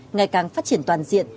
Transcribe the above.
ngày càng phát triển toàn diện